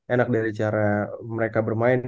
enak dari cara mereka bermain